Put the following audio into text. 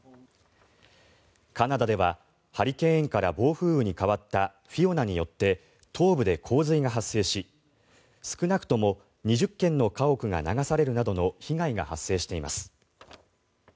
カナダではハリケーンから暴風雨に変わったフィオナによって東部で洪水が発生し少なくとも２０軒の家屋が流されるなどの被害が発生しています。